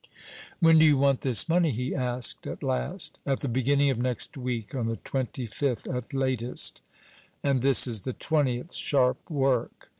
"When do you want this money?" he asked at last. "At the beginning of next week. On the twenty fifth at latest." "And this is the twentieth. Sharp work."